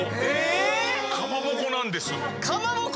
えっ！？かまぼこなんです。